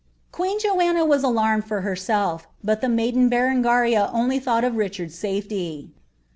Queen Joanna was alarmed for herself; but the maiden Berengirii only ihou^ht of Richard's safety.